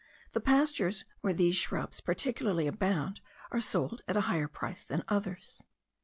The pastures where these shrubs particularly abound are sold at a higher price than others.